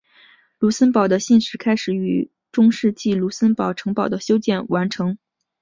卢森堡的信史开始于在中世纪卢森堡城堡的修建完成。